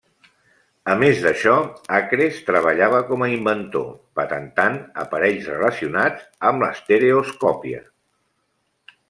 A més d'això, Acres treballava com a inventor, patentant aparells relacionats amb l'estereoscòpia.